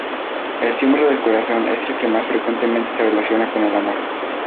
El símbolo del corazón es el que más frecuentemente se relaciona con el amor.